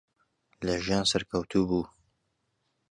لە ژیان سەرکەوتوو بوو.